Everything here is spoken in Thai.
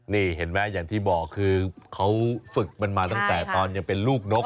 นี่เห็นไหมอย่างที่บอกคือเขาฝึกมันมาตั้งแต่ตอนยังเป็นลูกนก